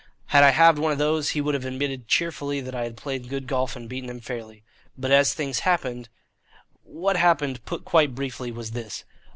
Had I halved one of those, he would have admitted cheerfully that I had played good golf and beaten him fairly. But as things happened What happened, put quite briefly, was this.